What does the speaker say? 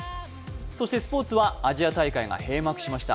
そして、スポーツはアジア大会が閉幕しました。